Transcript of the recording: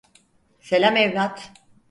Selam evlat.